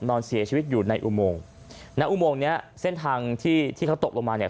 นอนเสียชีวิตอยู่ในอุโมงณอุโมงเนี้ยเส้นทางที่ที่เขาตกลงมาเนี่ย